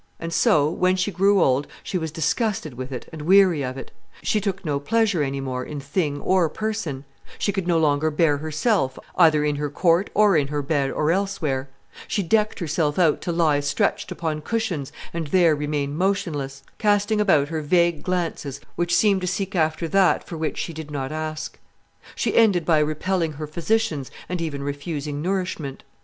And so, when she grew old, she was disgusted with it and weary of it; she took no pleasure any more in thing or person; she could no longer bear herself, either in her court or in her bed or elsewhere; she decked herself out to lie stretched upon cushions and there remain motionless, casting about her vague glances which seemed to seek after that for which she did not ask. She ended by repelling her physicians and even refusing nourishment.